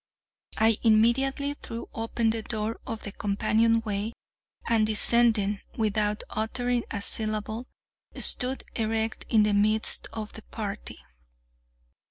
I immediately threw open the door of the companion way, and, descending, without uttering a syllable, stood erect in the midst of the party.